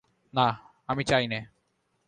না, আমি চাই নে।